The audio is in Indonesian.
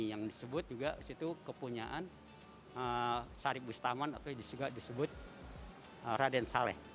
yang disebut juga situ kepunyaan syarif bustaman atau juga disebut raden saleh